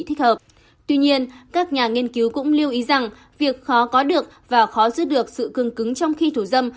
thích hợp tuy nhiên các nhà nghiên cứu cũng lưu ý rằng việc khó có được và khó giữ được sự cương cứng trong khi thủ dâm